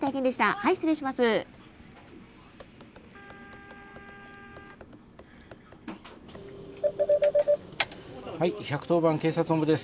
☎はい１１０番警察本部です。